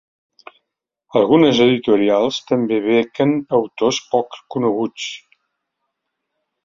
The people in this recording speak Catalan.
Algunes editorials també bequen autors poc coneguts.